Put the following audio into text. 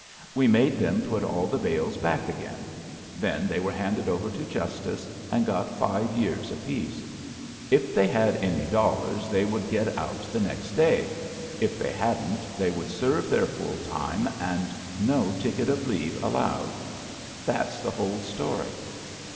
We made them put all the bales back again. Then they were handed over to justice and got five years apiece. If they had any dollars they would get out the next day. If they hadn't, they would serve their full time and no ticket of leave allowed. That's the whole story."